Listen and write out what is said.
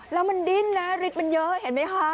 แล้วมันดิ้นนะฤทธิ์มันเยอะเห็นไหมคะ